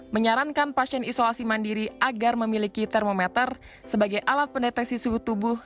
menyarankan pasien isolasi mandiri agar memiliki termometer sebagai alat pendeteksi suhu tubuh